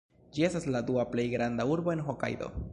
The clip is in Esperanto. Ĝi estas la dua plej granda urbo en Hokajdo.